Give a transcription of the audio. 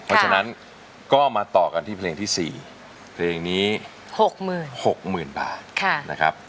เพราะฉะนั้นก็มาต่อกันที่เพลงที่๔เพลงนี้๖๖๐๐๐บาทนะครับ